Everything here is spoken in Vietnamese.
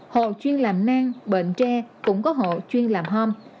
hộ chuyên làm nang bệnh tre cũng có hộ chuyên làm hom